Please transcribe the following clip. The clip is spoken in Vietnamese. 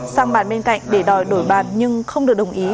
sang bàn bên cạnh để đòi đổi bản nhưng không được đồng ý